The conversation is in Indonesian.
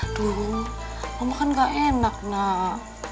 aduh mama kan gak enak nah